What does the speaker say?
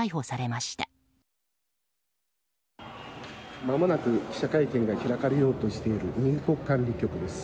まもなく、記者会見が開かれようとしている入国管理局です。